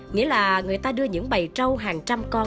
nghĩa là người ta đưa những bày trâu hàng trăm con